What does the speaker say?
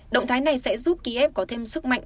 động thái này sẽ giúp kiev có thêm sức mạnh